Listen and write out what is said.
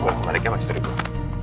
gua sama rika sama istri gua